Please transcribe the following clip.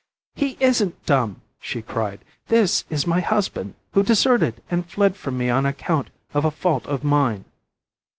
"He isn't dumb," she cried, "this is my husband, who deserted and fled from me on account of a fault of mine."